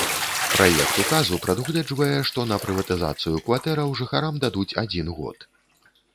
Праект указу прадугледжвае, што на прыватызацыю кватэраў жыхарам дадуць адзін год.